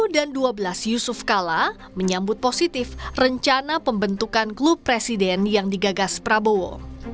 dan dua belas yusuf kala menyambut positif rencana pembentukan klub presiden yang digagas prabowo